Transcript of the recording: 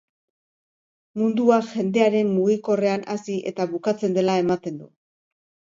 Mundua jendearen mugikorrean hasi eta bukatzen dela ematen du.